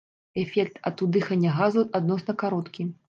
Эфект ад удыхання газу адносна кароткі.